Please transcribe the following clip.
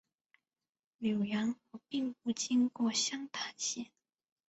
浏阳河并不经过湘潭县。